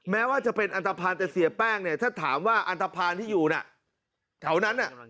แม้ว่าจะเป็นอันทภาณแต่เสียแป้งถ้าถามว่าอันทภาณที่อยู่แถวนั้น